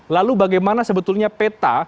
lalu bagaimana sebetulnya peta